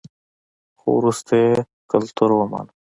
خو وروسته یې کلتور ومانه